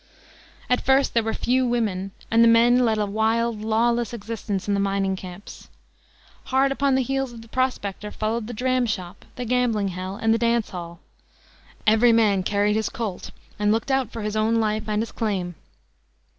At first there were few women, and the men led a wild, lawless existence in the mining camps. Hard upon the heels of the prospector followed the dram shop, the gambling hell, and the dance hall. Every man carried his "Colt," and looked out for his own life and his "claim."